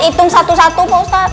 hitung satu satu pak ustadz